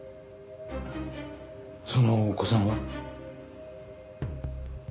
そのお子さんは？